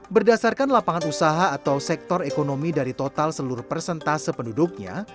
berdasarkan lapangan usaha atau sektor ekonomi dari total seluruh persentase penduduknya